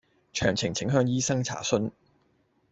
詳情請向醫生查詢